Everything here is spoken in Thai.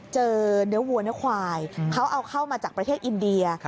เจอเนื้อวัวเนื้อควายเขาเอาเข้ามาจากประเทศอินเดีย